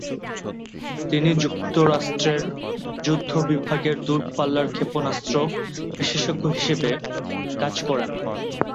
তিনি যুক্তরাষ্ট্রের যুদ্ধ বিভাগের দূরপাল্লার ক্ষেপণাস্ত্র বিশেষজ্ঞ হিসেবে কাজ করেন।